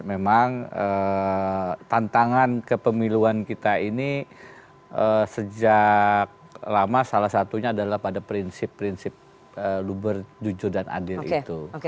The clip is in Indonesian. memang tantangan kepemiluan kita ini sejak lama salah satunya adalah pada prinsip prinsip luber jujur dan adil itu